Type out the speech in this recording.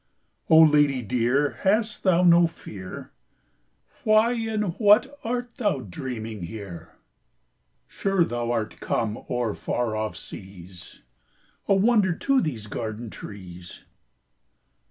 Oh, lady dear, hast thou no fear? Why and what art thou dreaming here? Sure thou art come o'er far off seas, A wonder to these garden trees!